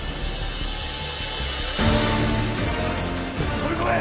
飛び込め！